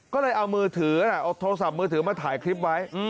ก็เลยเอามือถือเอาโทรศัพท์มือถือมาถ่ายคลิปไว้